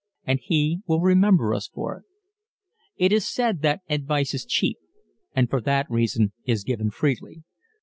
And he will remember us for it. It is said that advice is cheap and for that reason is given freely.